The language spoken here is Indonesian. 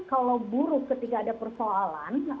kalau buruh ketika ada persoalan